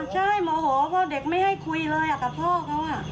ใช่โมโหพ่อเด็กไม่ให้คุยเลยกับพ่อเขา